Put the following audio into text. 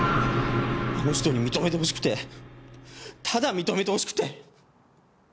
あの人に認めてほしくてただ認めてほしくて！